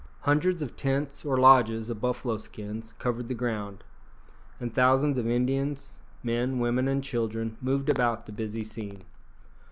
Hundreds of tents or "lodges" of buffalo skins covered the ground, and thousands of Indians men, women, and children moved about the busy scene.